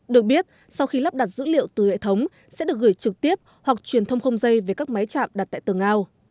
được biết sau khi lắp đặt dữ liệu từ hệ thống sẽ được gửi trực tiếp hoặc truyền thông không dây về các máy chạm đặt tại tầng ao